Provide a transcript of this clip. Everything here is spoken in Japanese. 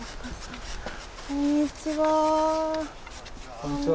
こんにちは。